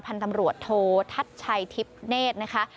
พันธ์ตำรวจโททัศน์ชัยทิพย์เนธนะคะ